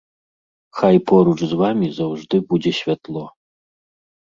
Хай поруч з вамі заўжды будзе святло!